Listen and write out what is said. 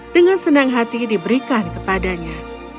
dengan senang hati diberikan kepadanya